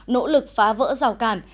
nỗ lực phá vỡ rào cản